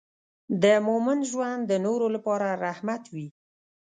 د مؤمن ژوند د نورو لپاره رحمت وي.